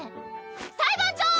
裁判長！